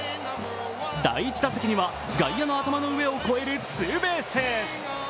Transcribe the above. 第１打席には外野の頭を超えるツーベース。